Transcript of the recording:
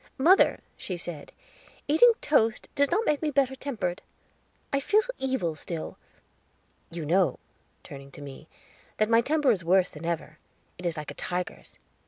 "Mother," she said, "eating toast does not make me better tempered; I feel evil still. You know," turning to me, "that my temper is worse than ever; it is like a tiger's."